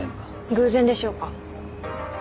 偶然でしょうか？